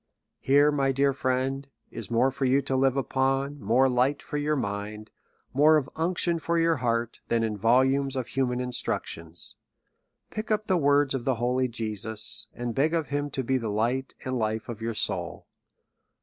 Here, my dear friend, is more for you to live upon, more light for your mind, more of unction for your heart, than in volumes of human instruction. Pick up the words of the holy Jesus, and beg of him to be the light and life of your soul.